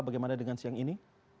bagaimana dengan siang ini